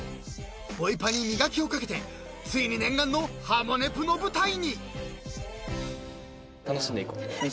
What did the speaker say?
［ボイパに磨きをかけてついに念願の『ハモネプ』の舞台に！］